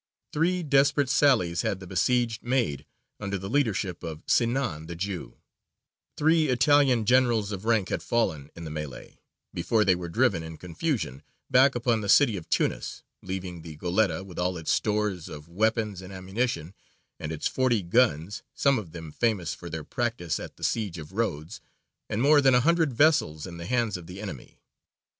Three desperate sallies had the besieged made under the leadership of Sinān the Jew; three Italian generals of rank had fallen in the melley; before they were driven in confusion back upon the city of Tunis, leaving the Goletta with all its stores of weapons and ammunition, and its forty guns, some of them famous for their practice at the siege of Rhodes, and more than a hundred vessels, in the hands of the enemy.